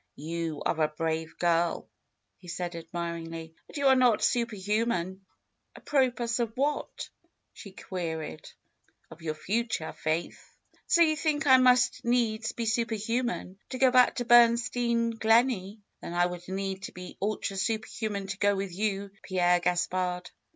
^^You are a brave girl," he said admiringly; '^but you are not super human." Apropos of what?" she queried. ^^Of your future. Faith." ^^So you think I must needs be super human to go back to Bernstein Gleney! Then I would need to be ultra super human to go with you, Pierre Gaspard